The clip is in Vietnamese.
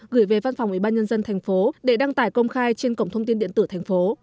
gửi về văn phòng ubnd tp để đăng tải công khai trên cổng thông tin điện tử thành phố